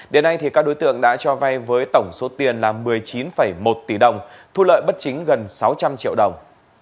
đến nay các đối tượng đã cho vay với tổng số tiền là một mươi chín một tỷ đồng thu lợi bất chính gần sáu trăm linh triệu đồng